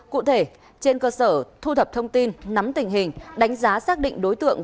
cụ thể trên cơ sở thu thập thông tin nắm tình hình đánh giá xác định đối tượng